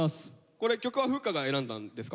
これ曲はフッカが選んだんですか？